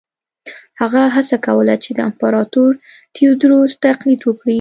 هغه هڅه کوله چې د امپراتور تیوودروس تقلید وکړي.